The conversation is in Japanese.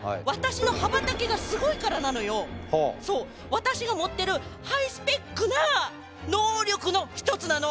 私が持ってるハイスペックな能力の一つなの！